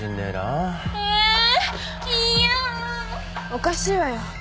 おかしいわよ